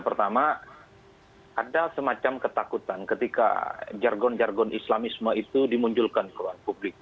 pertama ada semacam ketakutan ketika jargon jargon islamisme itu dimunculkan ke ruang publik